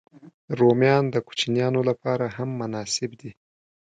رومیان د کوچنيانو لپاره هم مناسب دي